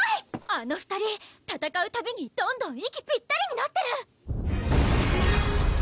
あの２人戦うたびにどんどん息ぴったりになってる！